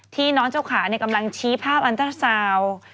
น้องเจ้าขากำลังชี้ภาพอันตราซาวน์